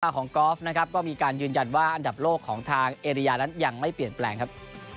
ของกอล์ฟนะครับก็มีการยืนยันว่าอันดับโลกของทางเอเรียนั้นยังไม่เปลี่ยนแปลงครับ